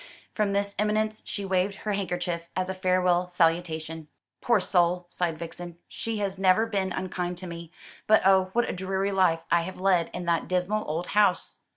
From this eminence she waved her handkerchief as a farewell salutation. "Poor soul!" sighed Vixen; "she has never been unkind to me; but oh! what a dreary life I have led in that dismal old house!"